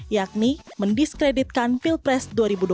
yakni mendiskreditkan pilpres dua ribu dua puluh